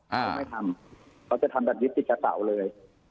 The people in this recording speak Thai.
ไม่ทำเขาจะทำแบบวิธีกระเสาเลย